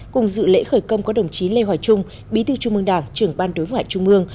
cùng dự lễ khởi công có đồng chí lê hoài trung bí thư trung mương đảng trưởng ban đối ngoại trung mương